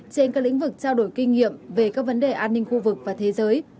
trên các lĩnh vực trao đổi kinh nghiệm về các vấn đề an ninh khu vực và thế giới